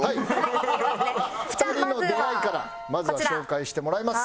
２人の出会いからまずは紹介してもらいます。